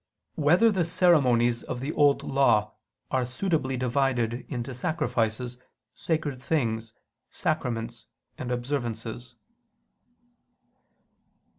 4] Whether the Ceremonies of the Old Law Are Suitably Divided into Sacrifices, Sacred Things, Sacraments, and Observances?